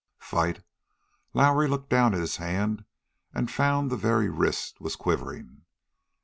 Fight? Lowrie looked down at his hand and found that the very wrist was quivering.